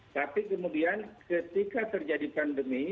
tapi kemudian ketika terjadi pandemi